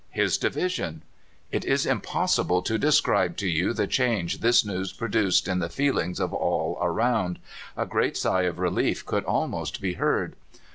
"'His division.' "It is impossible to describe to you the change this news produced in the feelings of all around. A great sigh of relief could almost be heard.